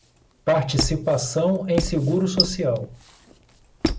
Participação em seguro social